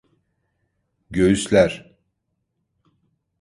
Göğüsler…